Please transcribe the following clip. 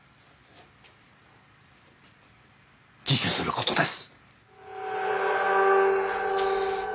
自首する事です。